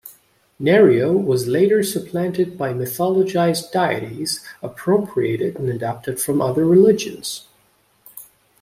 Nerio was later supplanted by mythologized deities appropriated and adapted from other religions.